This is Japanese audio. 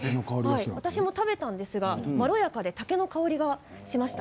私も食べたんですが、まろやかで竹の香りがしました。